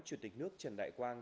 chủ tịch nước trần đại quang